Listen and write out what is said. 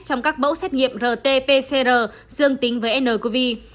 trong các mẫu xét nghiệm rt pcr dương tính với ncov